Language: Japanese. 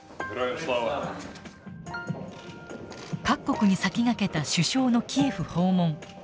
各国に先駆けた首相のキエフ訪問。